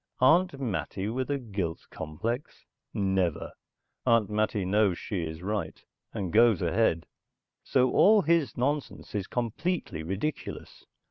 Aunt Mattie with a guilt complex? Never! Aunt Mattie knows she is right, and goes ahead. So all his nonsense is completely ridiculous.